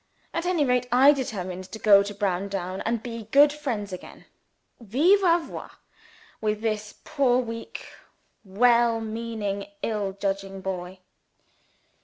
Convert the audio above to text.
At any rate, I determined to go to Browndown, and be good friends again, vivâ voce, with this poor, weak, well meaning, ill judging boy.